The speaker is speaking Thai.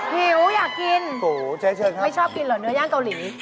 หิวอยากกินโอ้โหใช้เชิญครับไม่ชอบกินเหรอเนื้อย่างเกาหลี